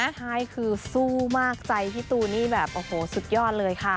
ใช่คือสู้มากใจพี่ตูนนี่แบบโอ้โหสุดยอดเลยค่ะ